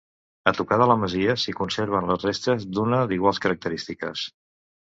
A tocar de la masia s'hi conserven les restes d'una d'iguals característiques.